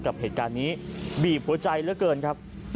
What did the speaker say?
กับเหตุการณ์นี้บีบหัวใจเหลือเกินครับ